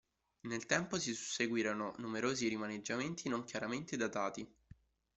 Nel tempo si susseguirono numerosi rimaneggiamenti non chiaramente datati.